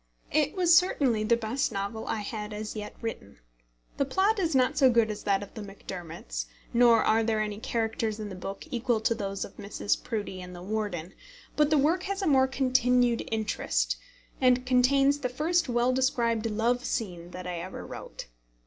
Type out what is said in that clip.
It was certainly the best novel I had as yet written. The plot is not so good as that of the Macdermots; nor are there any characters in the book equal to those of Mrs. Proudie and the Warden; but the work has a more continued interest, and contains the first well described love scene that I ever wrote.